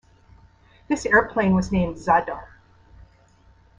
This airplane was named "Zadar".